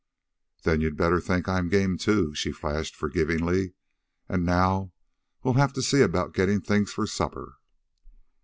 "Then you'd better think I'm game, too," she flashed forgivingly. "And now we'll have to see about getting things for supper."